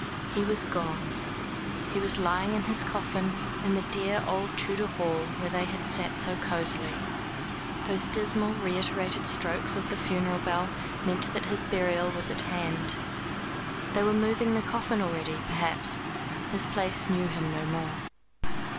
He was gone. He was lying in his coffin, in the dear old Tudor hall where they had sat so cosily. Those dismal reiterated strokes of the funeral bell meant that his burial was at hand. They were moving the coffin already, perhaps. His place knew him no more.